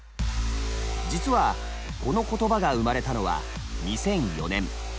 実はこの言葉が生まれたのは２００４年。